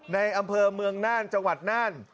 ในอำเภอเมืองน่านจังหวัดน่าน